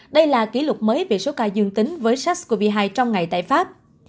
đây là kỷ lục mới về số ca dương tính với sars cov hai trong ngày tại pháp